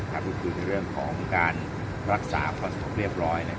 การรักษาลองเอาจากคนเสียบร้อย